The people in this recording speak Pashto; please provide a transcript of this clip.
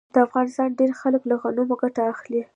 د افغانستان ډیری خلک له غنمو ګټه اخلي.